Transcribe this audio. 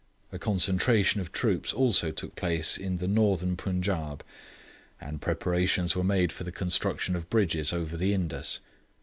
A concentration of troops also took place in the Northern Punjaub, and preparations were made for the construction of bridges over the Indus.